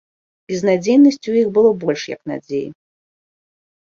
Безнадзейнасці ў іх было больш, як надзеі.